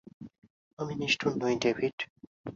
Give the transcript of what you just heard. আমি নিষ্ঠুর নই, ডেভিড।